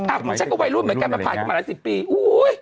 อ่าคุณแช่นกว่าวัยรุ่นเหมือนกันมาภายกำลัง๑๐ปีอุ้ย